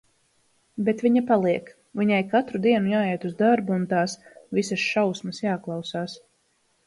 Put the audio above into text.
Bet viņa paliek. Viņai katru dienu jāiet uz darbu un "tās visas šausmas jāklausās".